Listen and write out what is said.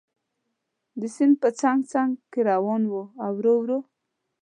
د سیند په څنګ څنګ کې روان و او ورو ورو.